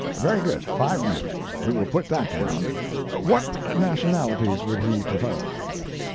"Very good; five men. We will put that down. What nationalities would he prefer?"